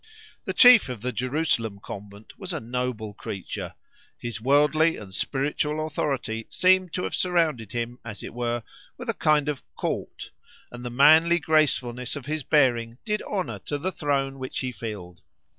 The chief of the Jerusalem convent was a noble creature; his worldly and spiritual authority seemed to have surrounded him, as it were, with a kind of "court," and the manly gracefulness of his bearing did honour to the throne which he filled.